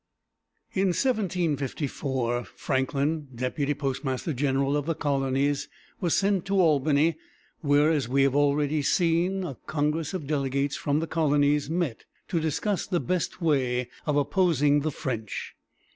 In 1754, Franklin, deputy postmaster general of the colonies, was sent to Albany, where, as we have already seen, a congress of delegates from the colonies met to discuss the best way of opposing the French.